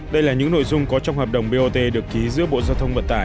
đây là những nội dung có trong hợp đồng bot được ký giữa bộ giao thông vận tải